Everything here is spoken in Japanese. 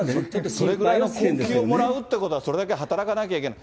それくらいの高給をもらうってことは、それだけ働かなきゃいけない。